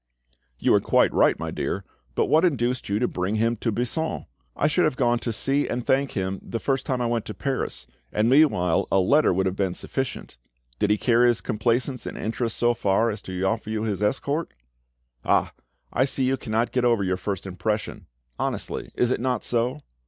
"You were quite right, my dear; but what induced you to bring him to Buisson? I should have gone to see and thank him the first time I went to Paris, and meanwhile a letter would have been sufficient. Did he carry his complaisance and interest so far as to offer you his escort?" "Ah! I see you cannot get over your first impression—honestly, is it not so?"